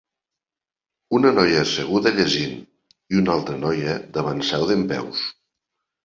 Una noia asseguda llegint i una altra noia davant seu dempeus.